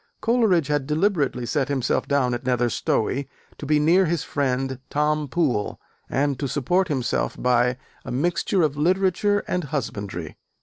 Coleridge had deliberately set himself down at Nether Stowey to be near his friend Tom Poole, and to support himself by "a mixture of literature and husbandry."